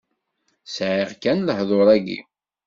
Sɛiɣ kan lehḍur-agi.